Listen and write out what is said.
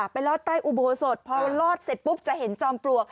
ลอดใต้อุโบสถพอลอดเสร็จปุ๊บจะเห็นจอมปลวก